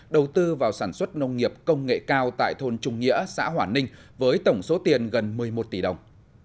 đầu tư vào sản xuất nông nghiệp công nghệ cao tại thôn trung nghĩa xã hòa ninh với tổng số tiền gần một mươi một tỷ đồng